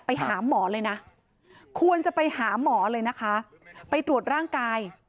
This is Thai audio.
ไปหาหมอเลยนะควรจะไปหาหมอเลยนะคะไปตรวจร่างกาย